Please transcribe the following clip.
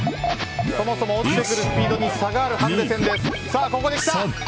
そもそも落ちてくるスピードに差があるハンデ戦です。